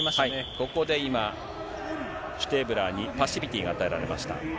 ここで今、シュテーブラーにパッシビティが与えられました。